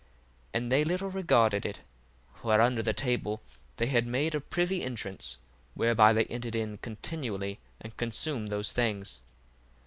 1:13 And they little regarded it: for under the table they had made a privy entrance, whereby they entered in continually, and consumed those things.